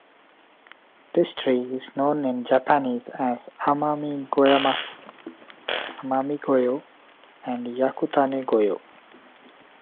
This tree is known in Japanese as "amami-goyamatsu", "amami-goyo", and "yakutane-goyo".